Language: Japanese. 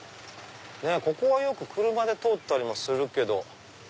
ここはよく車で通ったりもするけど。